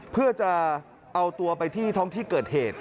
เพื่อจะเอาตัวไปที่ท้องที่เกิดเหตุ